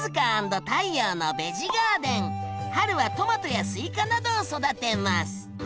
春はトマトやスイカなどを育てます。